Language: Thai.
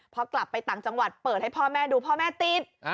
พอกลับไปต่างจังหวัดเปิดให้พ่อแม่ดูพ่อแม่ติด